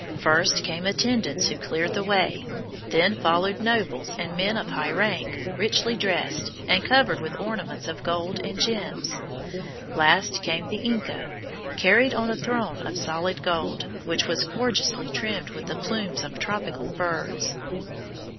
First came attendants who cleared the way; then followed nobles and men of high rank, richly dressed, and covered with ornaments of gold and gems. Last came the Inca, carried on a throne of solid gold, which was gorgeously trimmed with the plumes of tropical birds.